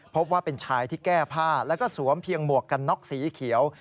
พบว่าเป็นชายที่แก้ผ้าแล้วก็สวมเพียงหมวกกันน็อกสีเขียว